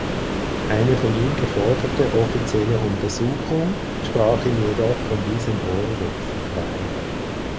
Eine von ihm geforderte offizielle Untersuchung sprach ihn jedoch von diesem Vorwurf frei.